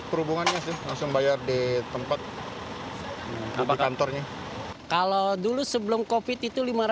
perhubungannya langsung bayar di tempat apa kantornya kalau dulu sebelum kopit itu lima ratus